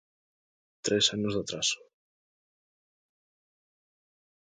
Tres anos de atraso.